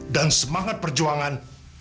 dan semangat perjuangan